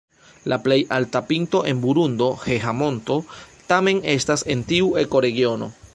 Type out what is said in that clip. La plej alta pinto en Burundo, Heha-Monto tamen estas en tiu ekoregiono.